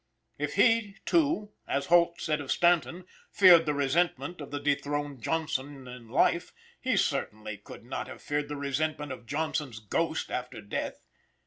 If he, too, as Holt said of Stanton, feared the resentment of the dethroned Johnson in life, he certainly could not have feared the resentment of Johnson's ghost after death.